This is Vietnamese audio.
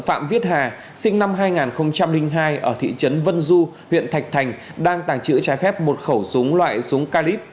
phạm viết hà sinh năm hai nghìn hai ở thị trấn vân du huyện thạch thành đang tàng trữ trái phép một khẩu súng loại súng calip